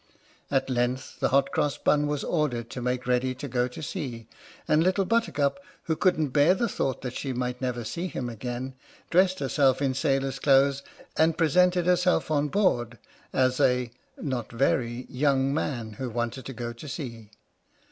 At length the Hot Cross Bun was ordered to make ready to go to sea, and Little Buttercup, who couldn't bear the thought that she might never see him again, dressed herself in sailor's clothes, and presented herself on board, as a (not very) young man who wanted to go to sea.